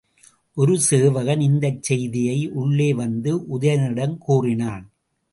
ஒரு சேவகன் இந்தச் செய்தியை உள்ளே வந்து உதயணனிடம் கூறினான்.